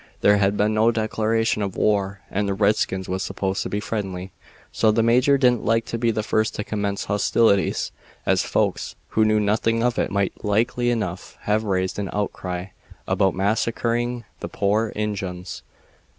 There had been no declaration of war, and the redskins was supposed to be friendly, so the major didn't like to be the first to commence hostilities, as folks who knew nothing of it might likely enough have raised an outcry about massacring the poor Injuns.